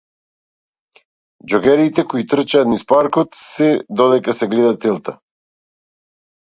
Џогерите кои трчаат низ паркот се додека се гледа целта.